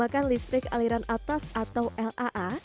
menggunakan listrik aliran atas atau laa